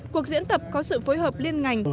cuộc diễn tập có sự phối hợp liên ngành